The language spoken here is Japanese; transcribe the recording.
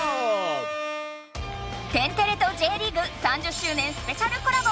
「天てれ」とＪリーグ「３０周年スペシャルコラボ」